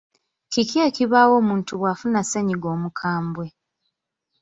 Kiki ekibaawo omuntu bw’afuna ssennyiga omukambwe?